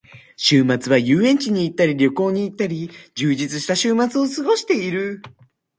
週末は遊園地に行ったり旅行に行ったり、充実した週末を過ごしている。